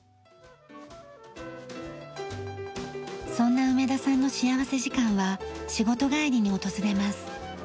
そんな梅田さんの幸福時間は仕事帰りに訪れます。